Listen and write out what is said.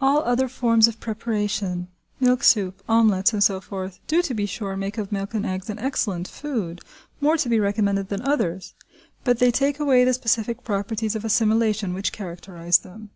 All other forms of preparation, milk soup, omelettes, and so forth, do, to be sure, make of milk and eggs an excellent food, more to be recommended than others; but they take away the specific properties of assimilation which characterise them.